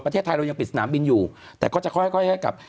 ประเทศไทยเรายังปิดสนามบินอยู่แต่ก็จะค่อยกลับ